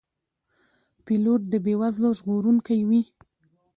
پیلوټ د بې وزلو ژغورونکی وي.